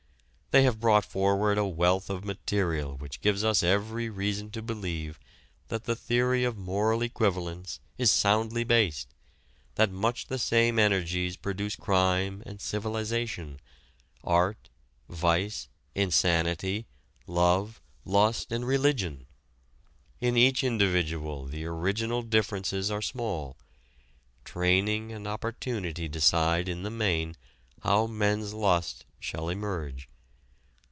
They have brought forward a wealth of material which gives us every reason to believe that the theory of "moral equivalents" is soundly based, that much the same energies produce crime and civilization, art, vice, insanity, love, lust, and religion. In each individual the original differences are small. Training and opportunity decide in the main how men's lust shall emerge.